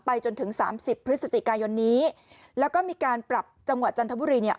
จนถึงสามสิบพฤศจิกายนนี้แล้วก็มีการปรับจังหวัดจันทบุรีเนี่ย